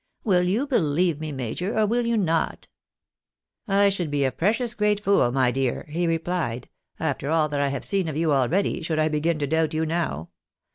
Will you believe me, major, or will you not ?"" I should be a precious great fool, my dear," he replied, " after all that I have seen of you already, should I begin to doubt you now.